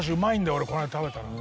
俺この間食べたら。